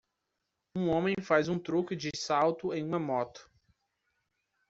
Um homem faz um truque de salto em uma moto